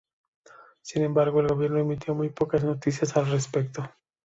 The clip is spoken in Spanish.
Sin embargo, el gobierno emitió muy pocas noticias al respecto.